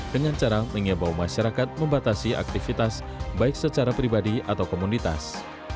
dengan cara mengibau masyarakat membatasi aktivitas baik secara pribadi atau komunitas